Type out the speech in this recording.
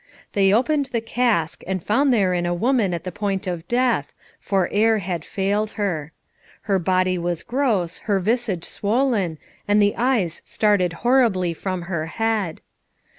They opened the cask, and found therein a woman at the point of death, for air had failed her. Her body was gross, her visage swollen, and the eyes started horribly from her head.